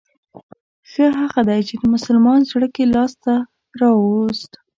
ښه هغه دی چې د مسلمان زړه يې لاس ته راووست.